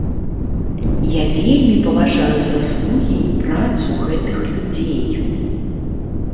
Я вельмі паважаю заслугі і працу гэтых людзей.